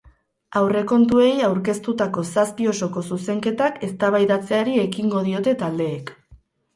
Aurrekontuei aurkeztutako zazpi osoko zuzenketak eztabaidatzeari ekingo diote taldeek.